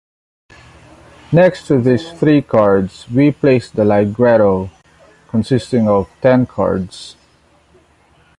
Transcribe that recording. Next to these three cards, we place the ligretto, consisting of ten cards.